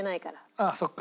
ああそっか。